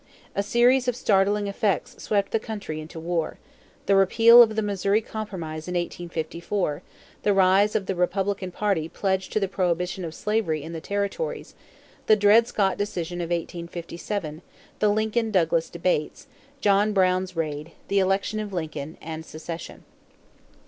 A series of startling events swept the country into war: the repeal of the Missouri compromise in 1854, the rise of the Republican party pledged to the prohibition of slavery in the territories, the Dred Scott decision of 1857, the Lincoln Douglas debates, John Brown's raid, the election of Lincoln, and secession.